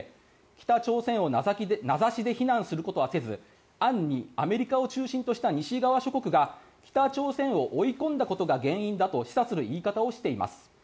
北朝鮮を名指しで非難することはせず暗にアメリカを中心とした西側諸国が北朝鮮を追い込んだことが原因だと示唆する言い方をしています。